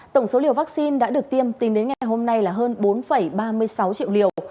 tổng số liều vaccine đã được tiêm tính đến ngày hôm nay là hơn bốn ba mươi sáu triệu liều